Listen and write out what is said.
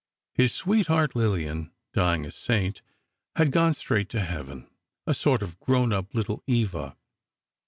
His sweetheart (Lillian), dying a saint, had gone straight to Heaven—a sort of grown up Little Eva.